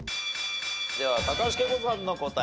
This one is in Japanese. では高橋惠子さんの答え。